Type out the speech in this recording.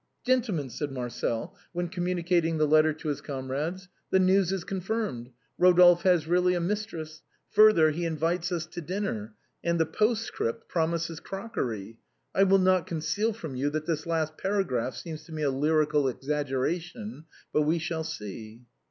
" Gentlemen," said Marcel, when communicating the letter to his comrades, " the news is confirmed, Eodolphe has really a mistress; further he invites us to dinner, and the postscript promises crockery. I will not conceal from you that this last paragraph seems to me a lyrical exaggera tion, but we shall see."